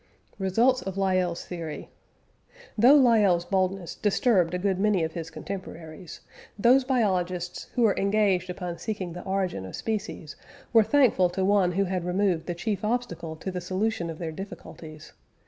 RESULTS OF LYELL'S THEORY. Though Lyell's boldness disturbed a good many of his contemporaries, those biologists who were engaged upon seeking the origin of species were thankful to one who had removed the chief obstacle to the solution of their difficulties.